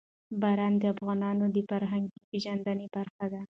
باران د افغانانو د فرهنګي پیژندنې برخه ده.